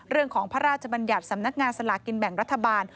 เรื่องของพระราชบัญญัติสำนักงานสลากินแบ่งรัฐบาล